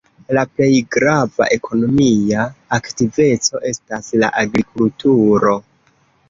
La plej grava ekonomia aktiveco estas la agrikulturo.